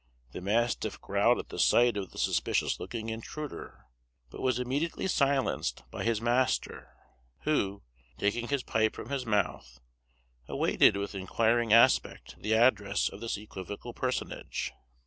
The mastiff growled at the sight of the suspicious looking intruder, but was immediately silenced by his master, who, taking his pipe from his mouth, awaited with inquiring aspect the address of this equivocal personage.